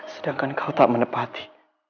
sedangkan kau tak menepati